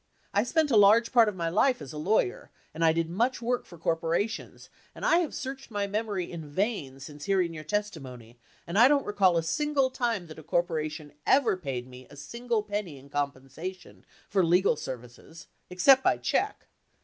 I spent a large part of my life as a lawyer, and I did much work for corporations and I have searched my memory in vain since hearing your testimony and I don't recall a single time that a corporation ever paid me a single penny in compensation for legal services except by check.